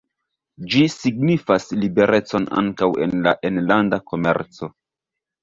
Ĝi signifas liberecon ankaŭ en la enlanda komerco.